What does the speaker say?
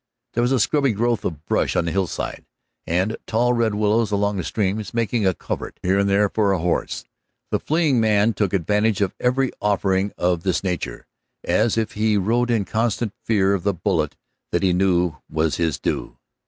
There was a scrubby growth of brush on the hillsides, and tall red willows along the streams, making a covert here and there for a horse. The fleeing man took advantage of every offering of this nature, as if he rode in constant fear of the bullet that he knew was his due.